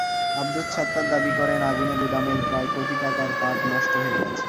আবদুস সাত্তার দাবি করেন, আগুনে গুদামের প্রায় কোটি টাকার পাট নষ্ট হয়ে গেছে।